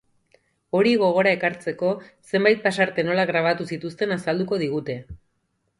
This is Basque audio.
Hori gogora ekartzeko, zenbait pasarte nola grabatu zituzten azalduko digute.